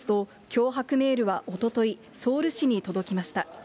脅迫メールはおととい、ソウル市に届きました。